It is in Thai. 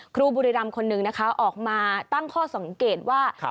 ครูบุรีรำคนหนึ่งนะคะออกมาตั้งข้อสังเกตว่า